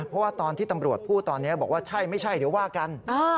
เพราะว่าตอนที่ตำรวจพูดตอนนี้บอกว่าใช่ไม่ใช่เดี๋ยวว่ากัน